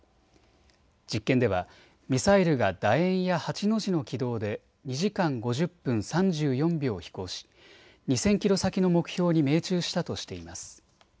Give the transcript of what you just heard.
実験ではミサイルがだ円や８の字の軌道で２時間５０分３４秒飛行し２０００キロ先の目標に命中したとしています。